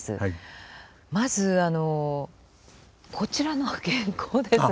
まずこちらの原稿ですね。